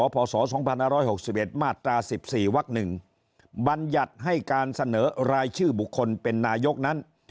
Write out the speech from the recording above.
พศ๒๕๖๑มาตรา๑๔วัก๑บัญญัติให้การเสนอรายชื่อบุคคลเป็นนายกนั้น